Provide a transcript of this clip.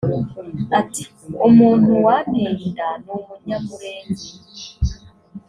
Ati ”Umuntu wanteye inda ni umunyamurenge